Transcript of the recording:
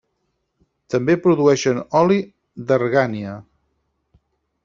També produeixen oli d'argània.